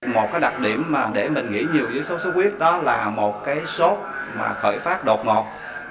một đặc điểm để mình nghĩ nhiều về sốc xuất huyết đó là một sốc khởi phát đột ngột